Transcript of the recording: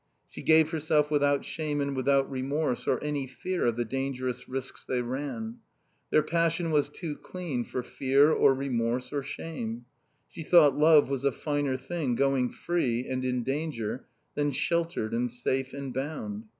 She gave herself without shame and without remorse, or any fear of the dangerous risks they ran. Their passion was too clean for fear or remorse or shame. She thought love was a finer thing going free and in danger than sheltered and safe and bound.